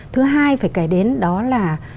thứ hai phải kể đến đó là